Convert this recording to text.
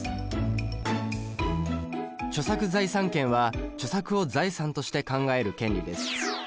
著作財産権は著作を財産として考える権利です。